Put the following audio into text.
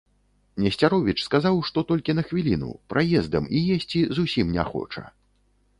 Несцяровіч сказаў, што толькі на хвіліну, праездам і есці зусім не хоча.